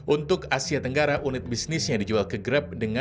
untuk asia tenggara unit bisnisnya dijual di tiongkok adalah di tiongkok